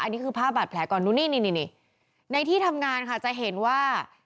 อันนี้คือภาพบาดแผลก่อนนู่นนี่นี่ในที่ทำงานค่ะจะเห็นว่า